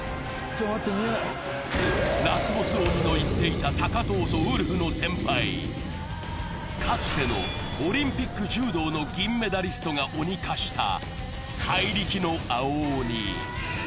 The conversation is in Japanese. ラスボス鬼の言っていた高藤とウルフの先輩、かつてのオリンピック柔道の銀メダリストが鬼化した怪力の青鬼。